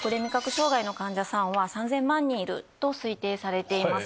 障害の患者さんは３０００万人いると推定されています。